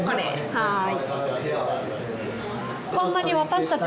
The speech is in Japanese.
はい。